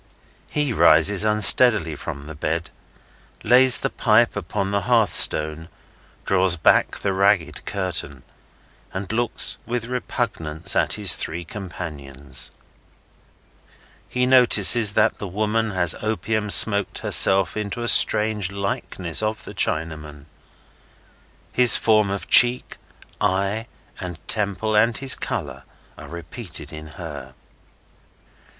He rises unsteadily from the bed, lays the pipe upon the hearth stone, draws back the ragged curtain, and looks with repugnance at his three companions. He notices that the woman has opium smoked herself into a strange likeness of the Chinaman. His form of cheek, eye, and temple, and his colour, are repeated in her.